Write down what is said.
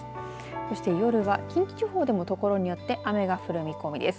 そして夜は近畿地方でも所によって雨が降る見込みです。